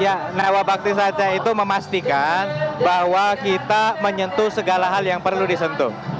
ya nawa bakti satya itu memastikan bahwa kita menyentuh segala hal yang perlu disentuh